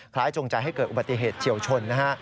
จงใจให้เกิดอุบัติเหตุเฉียวชนนะฮะ